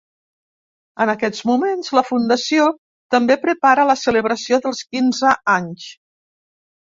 En aquests moments, la fundació també prepara la celebració dels quinze anys.